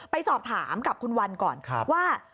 ไปสอบถามกับคุณวันก่อนว่า